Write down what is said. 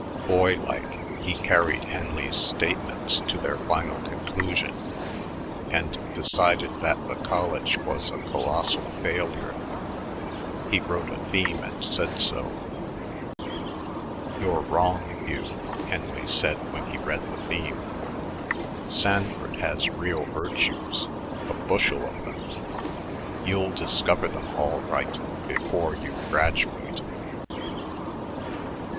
Boy like, he carried Henley's statements to their final conclusion and decided that the college was a colossal failure. He wrote a theme and said so. "You're wrong, Hugh," Henley said when he read the theme. "Sanford has real virtues, a bushel of them. You'll discover them all right before you graduate."